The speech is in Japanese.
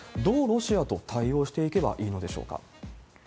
どうロシアと対応していけばいいのでしょうか。